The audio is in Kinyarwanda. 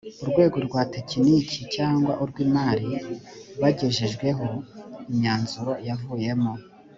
urwego rwa tekiniki cyangwa urw’imari bagejejweho imyanzuro yavuyemo